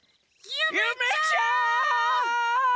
ゆめちゃん！